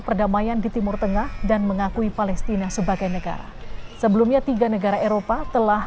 perdamaian di timur tengah dan mengakui palestina sebagai negara sebelumnya tiga negara eropa telah